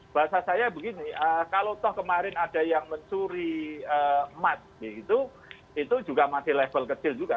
bahasa saya begini kalau toh kemarin ada yang mencuri emat itu juga masih level kecil juga